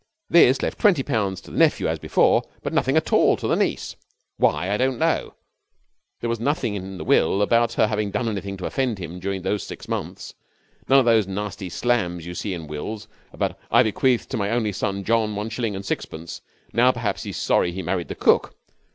This left twenty pounds to the nephew as before, but nothing at all to the niece. Why, I don't know. There was nothing in the will about her having done anything to offend him during those six months, none of those nasty slams you see in wills about "I bequeath to my only son John one shilling and sixpence. Now perhaps he's sorry he married the cook."